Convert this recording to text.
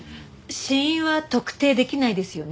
死因は特定できないですよね？